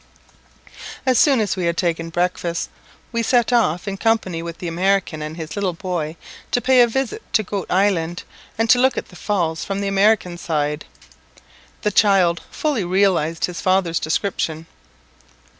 As soon as we had taken breakfast, we set off in company with the American and his little boy to pay a visit to Goat Island, and look at the Falls from the American side. The child fully realized his father's description.